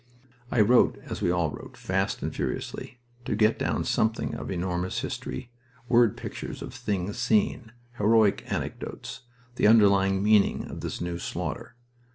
I wrote, as we all wrote, fast and furiously, to get down something of enormous history, word pictures of things seen, heroic anecdotes, the underlying meaning of this new slaughter.